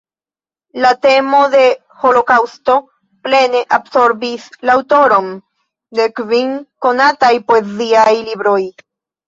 La temo de holokaŭsto plene absorbis la aŭtoron de kvin konataj poeziaj libroj.